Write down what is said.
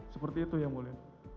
seperti itu ya mulia